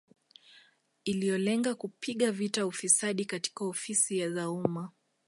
Iliyolenga kupiga vita ufisadi katika ofisi za umma